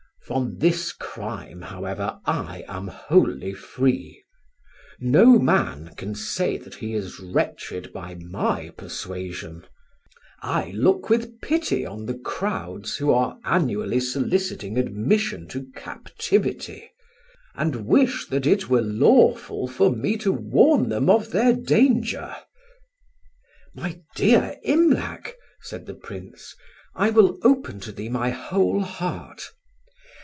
"From this crime, however, I am wholly free. No man can say that he is wretched by my persuasion. I look with pity on the crowds who are annually soliciting admission to captivity, and wish that it were lawful for me to warn them of their danger." "My dear Imlac," said the Prince, "I will open to thee my whole heart.